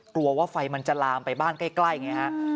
กลัวว่าไฟมันจะลามไปบ้านใกล้ไงฮะ